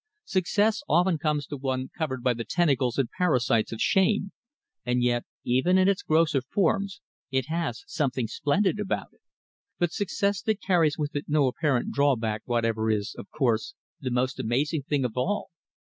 "Success often comes to one covered by the tentacles and parasites of shame, and yet, even in its grosser forms, it has something splendid about it. But success that carries with it no apparent drawback whatever is, of course, the most amazing thing of all.